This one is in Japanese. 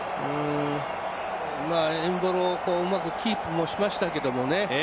エムボロうまくキープもしましたけどね。